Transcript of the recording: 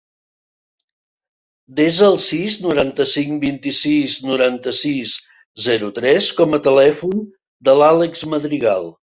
Desa el sis, noranta-cinc, vint-i-sis, noranta-sis, zero, tres com a telèfon de l'Àlex Madrigal.